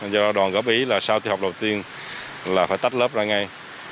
do đoàn góp ý là sau thi học đầu tiên là phải tách lớp ra ngay